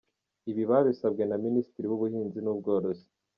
Ibi babisabwe na Minisitiri w’Ubuhinzi n’Ubworozi,